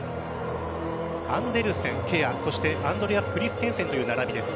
アンデルセン、ケアそしてアンドレアス・クリステンセンという並びです。